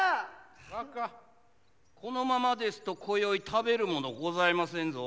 若このままですとこよい食べるものございませんぞ。